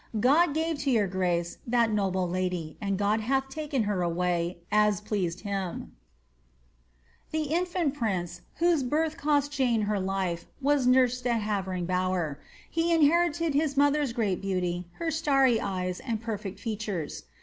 God gave to your grace that noble lady, and God hath taken her away, as pleased hini.^' The infant prince, whose birth cost Jane her life, was nutsed at Have ring Bower, lie inherited his mother^s great beauty, her starry eyes, and perfect features.'